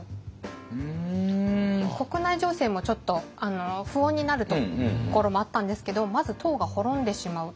国内情勢もちょっと不穏になるところもあったんですけどまず唐が滅んでしまう。